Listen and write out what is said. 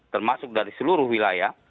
termasuk dari seluruh wilayah